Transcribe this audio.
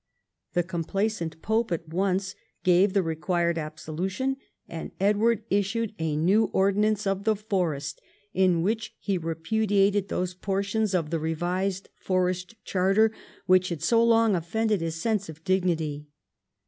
The complaisant pope at once gave the required absolu tion, and Edward issued a new Ordinance of the Forest in which he repudiated those portions of the revised Forest Charter which had so long offended his sense of dignity.